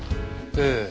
ええ。